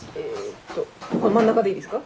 真ん中でいいですか？